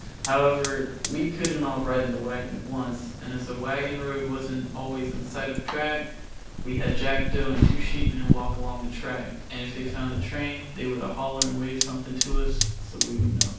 However, as we couldn't all ride in the wagon at once and as the wagon road wasn't always in sight of the track, we had Jackdo and the two sheepmen walk along the track, and if they found the train they were to holler and wave something to us so we would know.